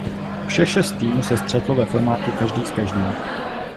Všech šest týmů se střetlo ve formátu každý s každým.